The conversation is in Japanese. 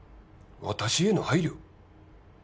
私への配慮？